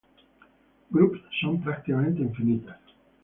Groups son prácticamente infinitas.